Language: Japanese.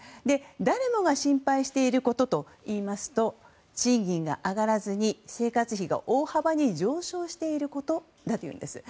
誰もが心配していることといいますと賃金が上がらずに生活費が大幅に上昇していることだというんです。